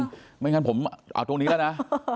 ไม่งั้นผมเอาตรงนี้แล้วนะ